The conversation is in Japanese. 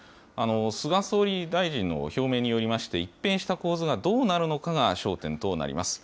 菅総理大臣の表明によりまして、一変した構図がどうなるのかが焦点となります。